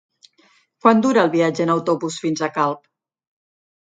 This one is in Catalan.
Quant dura el viatge en autobús fins a Calp?